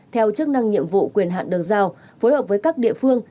theo chức năng nhiệm vụ quyền hạn được giao phối hợp với các địa phương